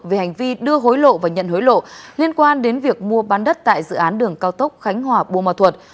về hành vi đưa hối lộ và nhận hối lộ liên quan đến việc mua bán đất tại dự án đường cao tốc khánh hòa bùa mà thuật